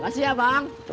makasih ya bang